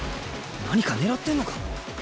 何か狙ってんのか？